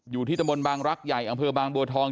อยู่ที่ตะบนบางรักใหญ่อำเภอบางบัวทอง